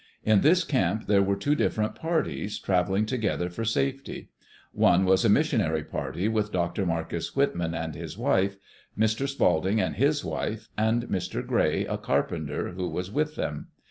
In this camp there were two different parties, traveling together for safety. One was a missionary party, with Dr. Marcus Whitman and his wife, Mr. Spalding and his wife, and Mr. Gray, a carpenter, who was with them.